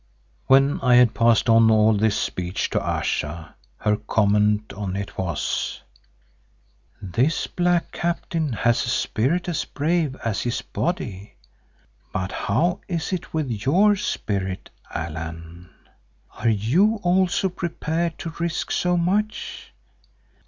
When I had passed on all this speech to Ayesha, her comment on it was, "This black Captain has a spirit as brave as his body, but how is it with your spirit, Allan? Are you also prepared to risk so much?